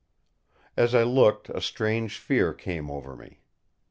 As I looked a strange fear came over me.